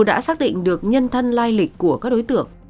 mặc dù đã xác định được nhân thân lai lịch của các đối tượng